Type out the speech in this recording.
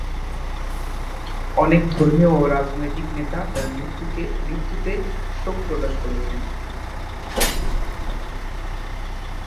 অনেক ধর্মীয় ও রাজনৈতিক নেতা তার মৃত্যুতে শোক প্রকাশ করেছেন।